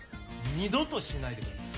二度としないでください。